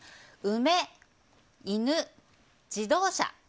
梅、犬、自動車。